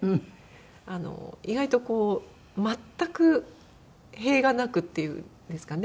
意外とこう全く塀がなくっていうんですかね。